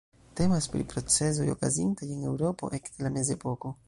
Temas pri procezoj okazintaj en Eŭropo ekde la mezepoko.